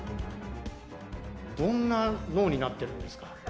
どんな脳になってるんですか。